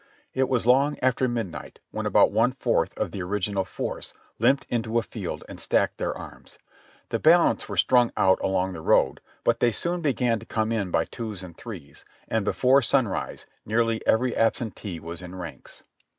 It was long after midnight when about one fourth of the original force limped into a field and stacked their arms. The balance were strung out along the road, but they soon began to come in by twos and threes, and before sunrise nearly every absentee was in ranks.